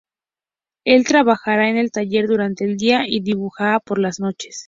El trabajaba en el taller durante el día y dibujaba por las noches.